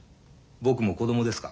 僕も子供ですか。